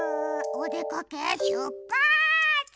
おでかけしゅっぱつ！